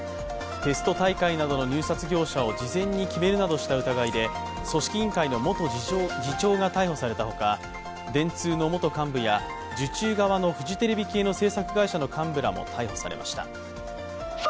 テスト大会などの入札業者を事前に決めるなどした疑いで組織委員会の元次長が逮捕されたほか電通の元幹部や受注側のフジテレビ系の制作会社の幹部らも逮捕されました。